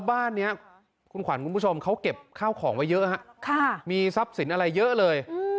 บ้านนี้คุณขวัญคุณผู้ชมเขาเก็บข้าวของไว้เยอะฮะมีทรัพย์สินอะไรเยอะเลย